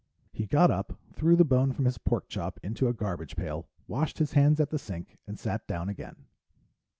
He got up, threw the bone from his pork chop into a garbage pail, washed his hands at the sink, and sat down again.